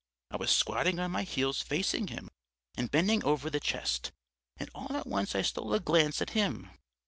I was squatting on my heels facing him and bending over the chest, and all at once I stole a glance at him....